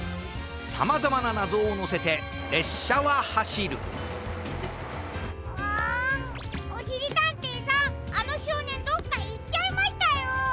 さまざまななぞをのせてれっしゃははしるあおしりたんていさんあのしょうねんどっかいっちゃいましたよ。